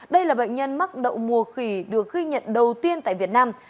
đây là bệnh nhân mắc đậu mùa khỉ được ghi nhận đầu tiên tại việt nam